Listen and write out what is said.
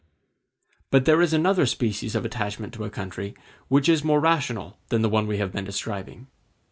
But there is another species of attachment to a country which is more rational than the one we have been describing.